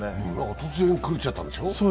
突然狂っちゃったんでしょ？